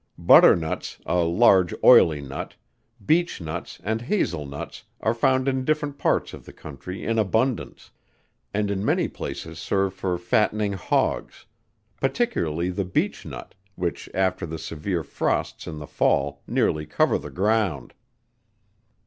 Butter Nuts, a large oily nut, Beech Nuts, and Hazel Nuts are found in different parts of the country in abundance, and in many places serve for fattening hogs; particularly the Beech Nut, which after the severe frosts in the fall nearly cover the ground.